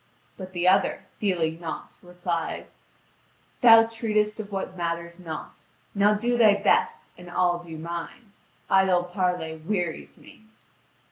But the other, fearing naught, replies: "Thou treatest of what matters not. Now do thy best, and I'll do mine. Idle parley wearies me."